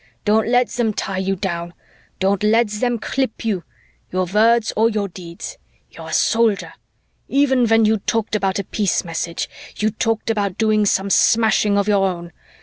Don't let them tie you down. Don't let them clip you your words or your deeds. You're a Soldier. Even when you talked about a peace message, you talked about doing some smashing of your own.